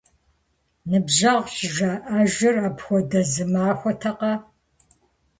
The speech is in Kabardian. Ныбжьэгъу щӀыжаӀэжыр апхуэдэ зы махуэтэкъэ?!